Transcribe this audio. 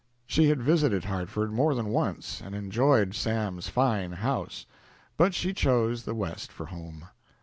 She had visited Hartford more than once and enjoyed "Sam's fine house," but she chose the West for home.